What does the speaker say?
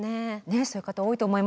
そういう方多いと思います。